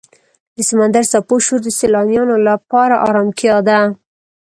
د سمندر څپو شور د سیلانیانو لپاره آرامتیا ده.